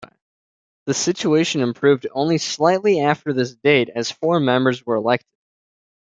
The situation improved only slightly after this date, as four members were elected.